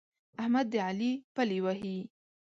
احمد د علي پلې وهي.